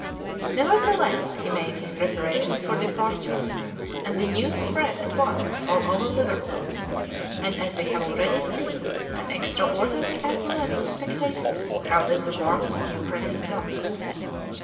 Nevertheless, he made his preparations for departure, and the news spread at once all over Liverpool, and, as we have already seen, an extraordinary affluence of spectators crowded the wharfs of New Prince's Docks.